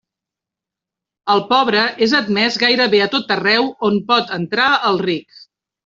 El pobre és admès gairebé a tot arreu on pot entrar el ric.